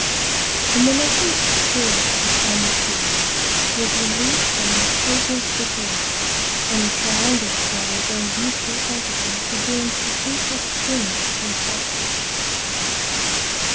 The monotonous appearance of the sanded boards was relieved by an occasional spittoon ; and a triangular pile of those useful articles adorned the two upper corners of the apartment.